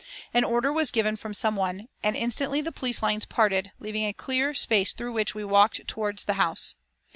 An order was given from some one, and instantly the police lines parted, leaving a clear space through which we walked towards the House.